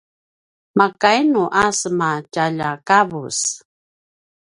makainu a sema tjaljakavus?